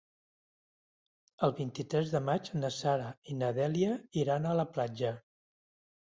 El vint-i-tres de maig na Sara i na Dèlia iran a la platja.